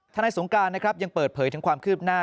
ฐสงการยังเปิดเผยถึงความขึ้นหน้า